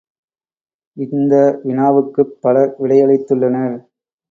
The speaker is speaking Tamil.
இந்த வினாவுக்குப் பலர் விடையளித்துள்ளனர்.